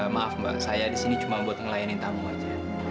maaf mbak saya disini cuma buat ngelayanin tamu aja